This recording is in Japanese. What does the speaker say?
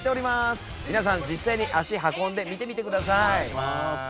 皆さん実際に足運んで見てみてください。